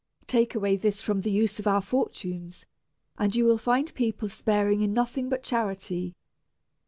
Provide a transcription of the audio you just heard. Take away this from the use of our fortunes, and you will find people sparing in nothing* but charity.